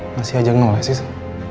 masih aja ngele sih sa